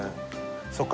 そっか